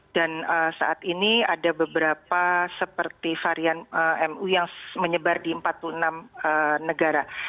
dan saat ini ada beberapa seperti varian mu yang menyebar di empat puluh enam negara